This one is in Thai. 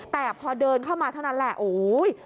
แต่พอเดินเข้ามาเท่านั้นแหละโอ้ย